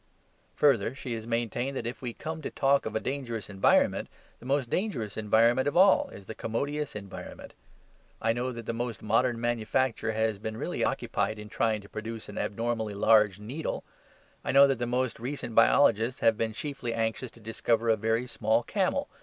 Further, she has maintained that if we come to talk of a dangerous environment, the most dangerous environment of all is the commodious environment. I know that the most modern manufacture has been really occupied in trying to produce an abnormally large needle. I know that the most recent biologists have been chiefly anxious to discover a very small camel.